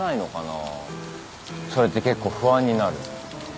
それって結構不安になる。